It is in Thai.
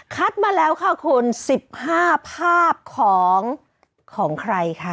มาแล้วค่ะคุณ๑๕ภาพของใครคะ